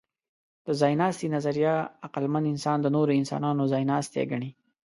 د ځایناستي نظریه عقلمن انسان د نورو انسانانو ځایناستی ګڼي.